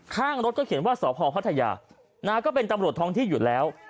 ข้างรถก็เขียนว่าสพพัทยาก็เป็นตำรวจท้องที่อยู่แล้ว